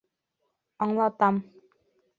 Аңлатам.